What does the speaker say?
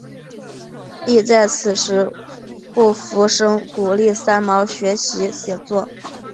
亦在此时顾福生鼓励三毛学习写作。